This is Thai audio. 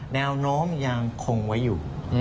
แนวโน้มยังคงไว้อยู่